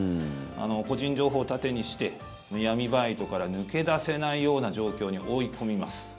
個人情報を盾にして闇バイトから抜け出せないような状況に追い込みます。